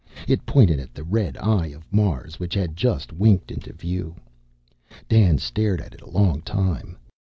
It pointed at the red eye of Mars, which had just winked into view. Dan stared at it a long time.